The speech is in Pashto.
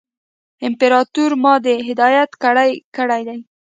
امپراطور ما ته هدایت کړی دی.